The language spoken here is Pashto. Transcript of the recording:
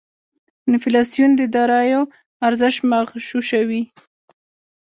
انفلاسیون داراییو ارزش مغشوشوي.